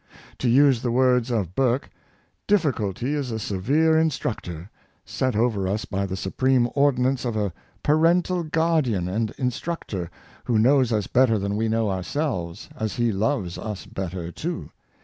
To use the words of Burke, " Difficulty is a severe instructor, set over us by the supreme ordinance of a parental guard ian and instructor, who knows us better than we know ourselves, as He loves us better too.